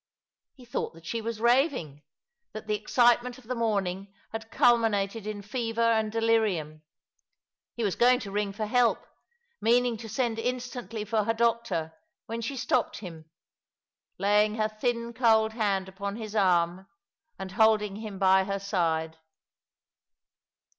He thought that she was raving, that the excitement of the morning had culminated in fever and delirium. He was going to ring for help, meaning to send instantly for her doctor, when she stopped him, laying her thin cold hand upon his arm, and holding him by her side.